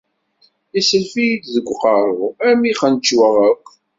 Isslef-iyi-d deg uqeṛṛu armi xxenčweɣ akk.